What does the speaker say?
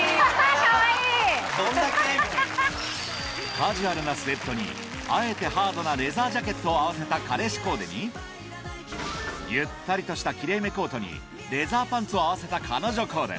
カジュアルなスウェットにあえてハードなレザージャケットを合わせた彼氏コーデにゆったりとしたキレイめコートにレザーパンツを合わせた彼女コーデ